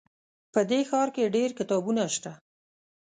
په دې ښار کې ډېر کتابتونونه شته